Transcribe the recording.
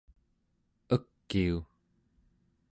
ekiu!